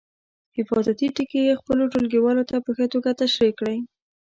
حفاظتي ټکي یې خپلو ټولګیوالو ته په ښه توګه تشریح کړئ.